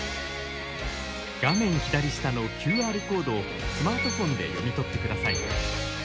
画面左下のＱＲコードをスマートフォンで読み取ってください。